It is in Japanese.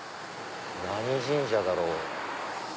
何神社だろう？